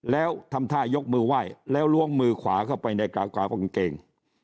แล้วทำท่ายกมือไหว้แล้วล้วงมือขวาเข้าไปในกางเกง